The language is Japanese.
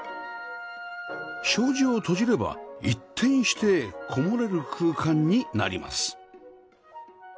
障子を閉じれば一転してこもれる空間になります